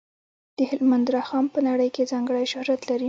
د هلمند رخام په نړۍ کې ځانګړی شهرت لري.